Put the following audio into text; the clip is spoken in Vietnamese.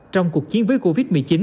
trong cuộc chiến với covid một mươi chín